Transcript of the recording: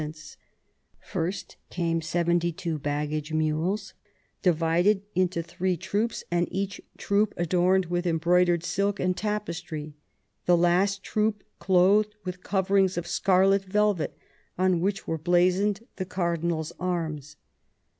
VIII THE PEACE OF THE PYRENEES 165 First came seventy two baggage mules, divided into three troops, and each troop adorned with embroidered silk and tapestry, the last troop clothed with coverings of scarlet velvet, on which were blazoned the cardinal's arms.